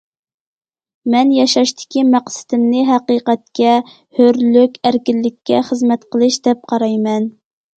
مەن ياشاشتىكى مەقسىتىمنى ھەقىقەتكە، ھۆرلۈك، ئەركىنلىككە خىزمەت قىلىش، دەپ قارايمەن.